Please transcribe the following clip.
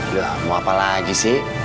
ya mau apa lagi sih